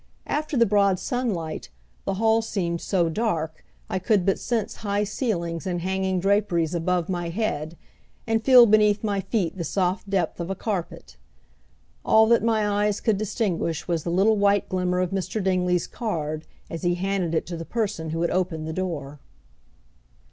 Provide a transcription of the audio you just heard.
After the broad sunlight the hall seemed so dark, I could but sense high ceilings and hanging draperies above my head, and feel beneath my feet the soft depth of a carpet. All that my eyes could distinguish was the little white glimmer of Mr. Dingley's card as he handed it to the person who had opened the door.